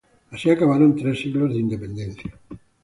Así acabaron tres siglos de independencia.